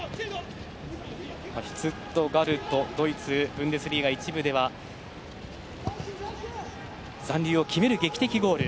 シュツットガルトドイツ・ブンデスリーガで１部に残留を決める劇的ゴール。